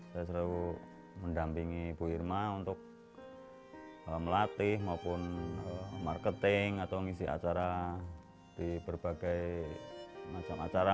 saya selalu mendampingi ibu irma untuk melatih maupun marketing atau mengisi acara di berbagai macam acara